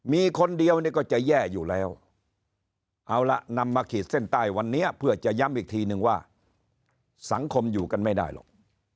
มีคนเดียวนี่ก็จะแย่อยู่แล้วเอาละนำมาขีดเส้นใต้วันนี้เพื่อจะย้ำอีกทีนึงว่าสังคมอยู่กันไม่ได้หรอก